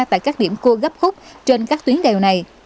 tại các điểm cua gấp khúc trên các tuyến đèo này